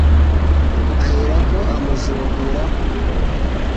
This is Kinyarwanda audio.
ahera ko amuzungura ku ngoma